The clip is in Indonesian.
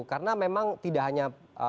karena memang tidak hanya